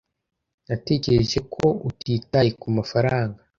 Natekereje ko utitaye kumafaranga.